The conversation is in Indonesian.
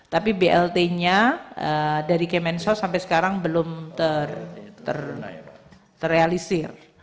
tapi blt nya dari kemensos sampai sekarang belum terrealisir